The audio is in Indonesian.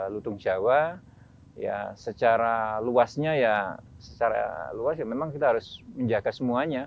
lutung jawa secara luasnya ya memang kita harus menjaga semuanya